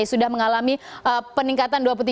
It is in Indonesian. sudah mengalami peningkatan